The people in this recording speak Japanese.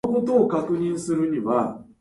南スーダンの首都はジュバである